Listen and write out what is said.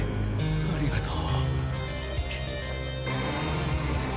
ありがとう。